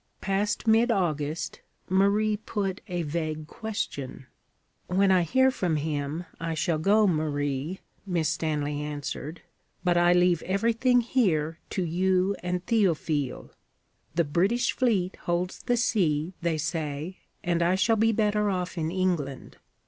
Past mid August, Marie put a vague question. 'When I hear from him, I shall go, Marie,' Miss Stanley answered. 'But I leave everything here to you and Théophile. The British fleet holds the sea, they say, and I shall be better off in England.